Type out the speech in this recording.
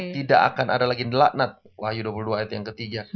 tidak akan ada lagi nelaknat wahyu dua puluh dua ayat yang ke tiga